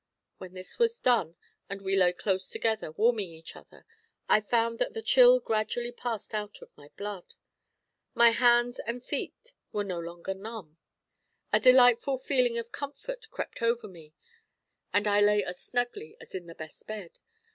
When this was done, and we lay close together, warming each other, I found that the chill gradually passed out of my blood. My hands and feet were no longer numb; a delightful feeling of comfort crept over me; and I lay as snugly as in the best bed.